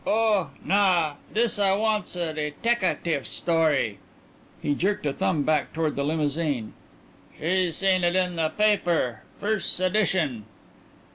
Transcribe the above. "Oh, naw. This I want's a detecatif story." He jerked a thumb back toward the limousine. "She seen it in the paper. Firs' addition."